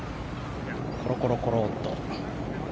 コロコロコロと。